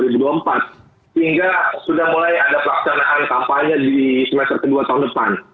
sehingga sudah mulai ada pelaksanaan kampanye di semester kedua tahun depan